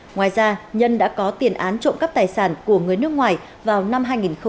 ngoài ra nhân đã có tiền án trộm cắp tài sản của người nước ngoài vào năm hai nghìn một mươi sáu